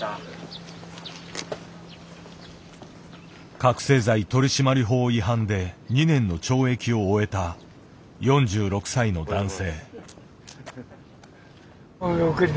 覚醒剤取締法違反で２年の懲役を終えた４６歳の男性。